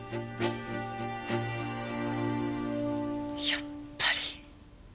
やっぱり。